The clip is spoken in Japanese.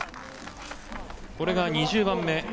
これが２０番目。